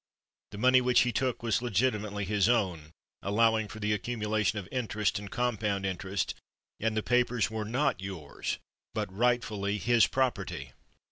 The money which he took was legitimately his own, allowing for the accumulation of interest and compound interest; and the papers were not yours—but rightfully his property!"